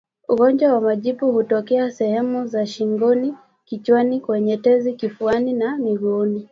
Ugonjwa wa majipu hutokea sehemu za shingoni kichwani kwenye tezi kifuani na miguuni